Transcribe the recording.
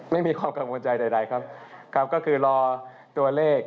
ไม่มีความกังวลใจใดครับครับก็คือรอตัวเลข